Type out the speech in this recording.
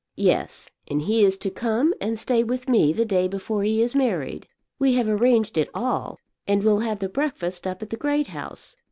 "Yes; and he is to come and stay with me the day before he is married. We have arranged it all. And we'll have the breakfast up at the Great House.